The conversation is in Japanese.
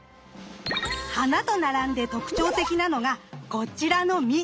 花と並んで特徴的なのがこちらの実。